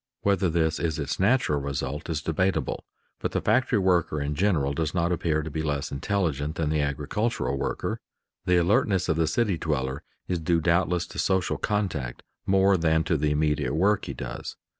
Whether this is its natural result is debatable, but the factory worker in general does not appear to be less intelligent than the agricultural worker. The alertness of the city dweller is due doubtless to social contact more than to the immediate work he does.